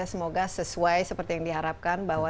semoga sesuai seperti yang diharapkan bahwa